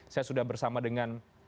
saya sudah bersama dengan